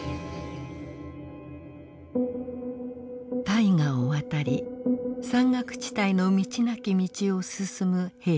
大河を渡り山岳地帯の道なき道を進む兵士たち。